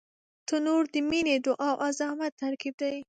تنور د مینې، دعا او زحمت ترکیب دی